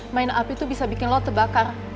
main api tuh bisa bikin lo terbakar